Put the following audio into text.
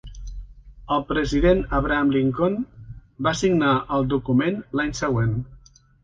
El president Abraham Lincoln va signar el document l'any següent.